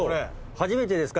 初めてですか？